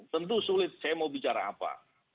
tentu sulit saya mau bicara apa